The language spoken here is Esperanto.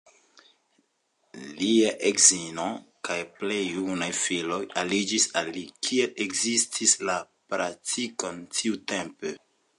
Lia edzino kaj plej junaj filoj aliĝis al li, kiel ekzistis la praktiko tiutempe.